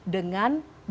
dengan bersama pak jokowi